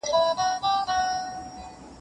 په سلام به د سلسال او شاهمامې شوې